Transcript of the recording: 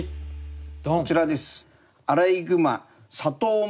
こちらです。